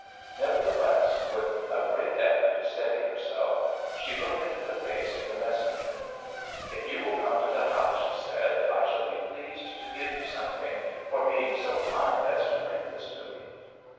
Nevertheless, with a great effort to steady herself, she looked into the face of the messenger. "If you will come to the house," she said, "I shall be pleased to give you something for being so kind as to bring this to me."